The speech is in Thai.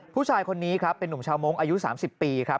ผู้ชายคนนี้ครับเป็นนุ่มชาวมงค์อายุ๓๐ปีครับ